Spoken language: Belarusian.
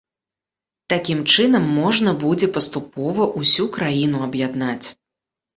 Такім чынам можна будзе паступова ўсю краіну аб'яднаць.